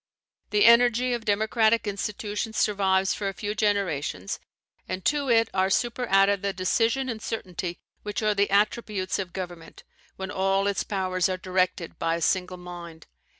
The energy of democratic institutions survives for a few generations, and to it are superadded the decision and certainty which are the attributes of government, when all its powers are directed by a single mind.